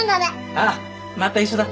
ああまた一緒だ。